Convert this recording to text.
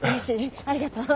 ありがとう。